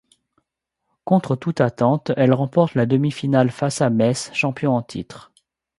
Contre toute attente elle remporte la demi-finale face à Metz, champion en titre.